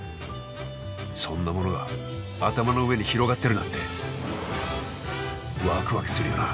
そんなものが頭の上に広がってるなんてわくわくするよなあ？